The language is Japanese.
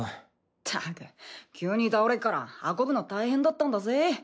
ったく急に倒れっから運ぶの大変だったんだぜ。